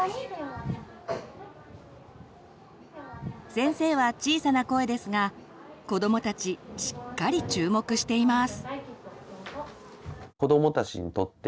先生は小さな声ですが子どもたちしっかり注目しています。